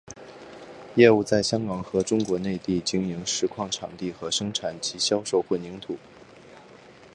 业务在香港和中国内地经营石矿场地和生产及销售混凝土。